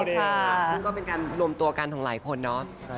ซึ่งก็เป็นเรื่องกันรวมตัวกันหลายคนเนอะ